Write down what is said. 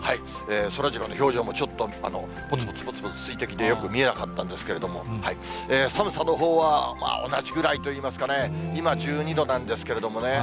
そらジローの表情もちょっと、ぽつぽつぽつぽつ水滴で、よく見えなかったんですけども、寒さのほうは同じぐらいといいますかね、今、１２度なんですけどね。